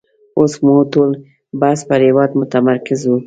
اوس مو ټول بحث پر هېواد متمرکز وو.